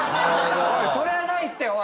それはないっておい！